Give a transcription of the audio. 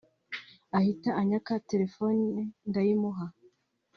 ahita anyaka telefone ndayimuha